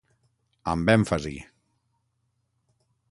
Amb èmfasi